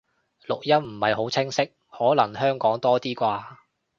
錄音唔係好清晰，可能香港多啲啩